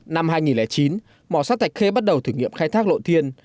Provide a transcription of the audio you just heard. năm hai nghìn chín mỏ sắt thạch khê bắt đầu thử nghiệm khai thác lộ thiên